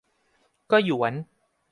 ก็หยวน